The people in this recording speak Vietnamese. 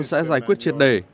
sẽ giải quyết triệt đề